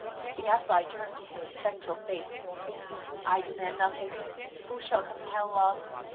The Gadfly turned to him a spectral face. "I demand nothing. Who shall compel love?